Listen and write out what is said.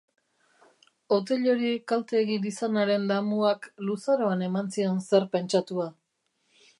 Otellori kalte egin izanaren damuak luzaroan eman zion zer pentsatua.